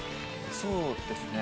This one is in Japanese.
そうですね。